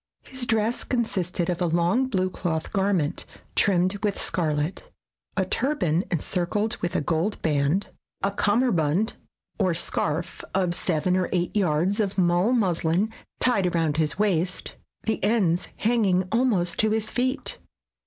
His dress consisted of a long blue cloth garment, trimmed with scarlet, a turban encircled with a gold band, a cummerbund or scarf of seven or eight yards of mull muslin tied around his waist, the ends hanging almost to his feet.